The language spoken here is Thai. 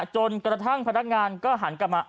จนกระทั่งพนักงานก็หันกลับมา